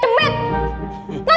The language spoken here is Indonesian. terima kasih sa